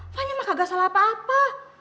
fanya mah kagak salah apa apa